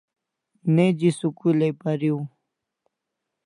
Neji school ai pariu